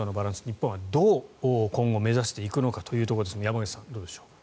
日本はどう今後目指していくのかということで山口さんどうでしょう。